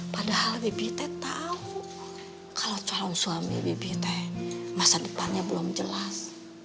padahal bibi teh tahu kalau calon suami bibi teh masa depannya belum jelas